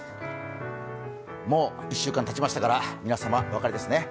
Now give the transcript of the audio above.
もう１週間たちましたから、皆様お分かりですね。